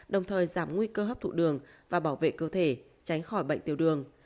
đồng thời giảm nguy cơ hấp thụ đường và bảo vệ cơ thể tránh khỏi bệnh tiểu đường